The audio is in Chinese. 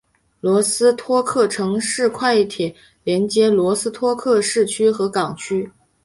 罗斯托克城市快铁连接罗斯托克市区和港区。